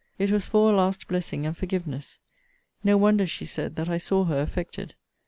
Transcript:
It was for a last blessing and forgiveness. No wonder, she said, that I saw her affected.